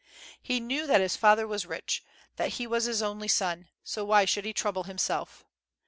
He knew that his father was rich, that he was his only son, so why should he trouble himself?